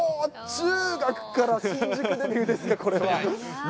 中学から新宿デビューですか、これは。